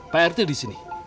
pak rt di sini